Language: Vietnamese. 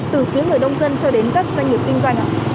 từ phía người nông dân cho đến các doanh nghiệp kinh doanh